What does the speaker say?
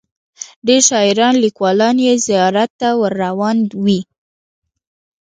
ډیر شاعران لیکوالان یې زیارت ته ور روان وي.